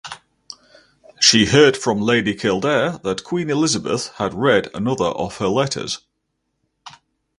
She heard from Lady Kildare that Queen Elizabeth had read another of her letters.